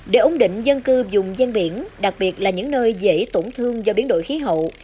để ổn định dân cư dùng gian biển đặc biệt là những nơi dễ tổn thương do biến đổi khí hậu